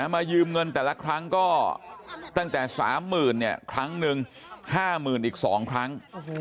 ยืมเงินแต่ละครั้งก็ตั้งแต่๓๐๐๐ครั้งหนึ่ง๕๐๐๐อีก๒ครั้ง